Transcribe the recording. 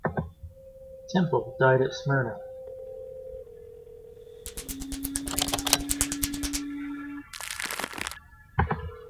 Temple died at Smyrna.